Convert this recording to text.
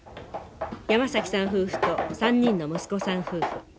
山崎さん夫婦と３人の息子さん夫婦。